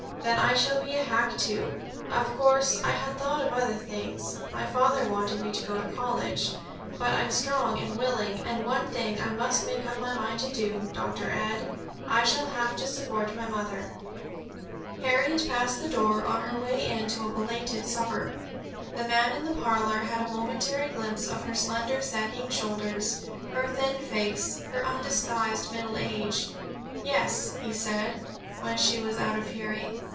"Then I shall be a hack, too. Of course, I had thought of other things, my father wanted me to go to college, but I'm strong and willing. And one thing I must make up my mind to, Dr. Ed; I shall have to support my mother." Harriet passed the door on her way in to a belated supper. The man in the parlor had a momentary glimpse of her slender, sagging shoulders, her thin face, her undisguised middle age. "Yes," he said, when she was out of hearing.